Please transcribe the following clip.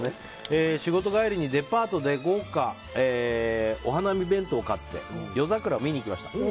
仕事帰りにデパートで豪華お花見弁当を買って夜桜を見に行きました。